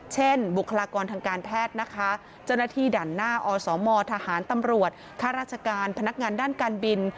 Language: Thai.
บุคลากรทางการแพทย์นะคะเจ้าหน้าที่ด่านหน้าอสมทหารตำรวจข้าราชการพนักงานด้านการบิน